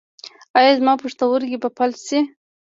ایا زما پښتورګي به فلج شي؟